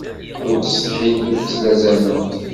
Ur ttsetḥint ur ttlazament.